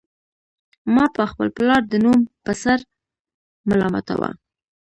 ما به خپل پلار د نوم په سر ملامتاوه